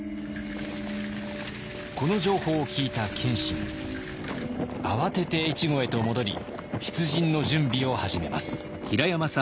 この情報を聞いた謙信慌てて越後へと戻り出陣の準備を始めます。